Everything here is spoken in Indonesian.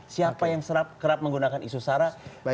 siapa yang serap kerap menggunakan isu sarah